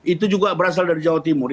itu juga berasal dari jawa timur